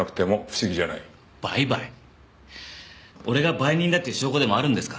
俺が売人だっていう証拠でもあるんですか？